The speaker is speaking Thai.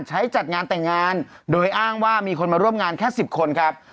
ใช้จัดงานแต่งงานโดยอ้างว่ามีคนมาร่วมงานแค่๑๐คนครับ